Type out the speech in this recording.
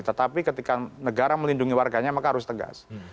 tetapi ketika negara melindungi warganya maka harus tegas